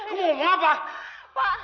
iya aku mau maaf pak